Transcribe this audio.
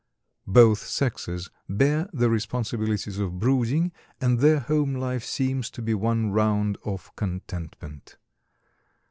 Both sexes bear the responsibilities of brooding and their home life seems to be one round of contentment.